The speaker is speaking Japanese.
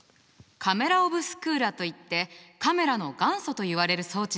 カメラ・オブスクーラといってカメラの元祖といわれる装置なの。